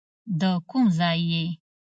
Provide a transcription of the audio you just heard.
د کوم ځای یې.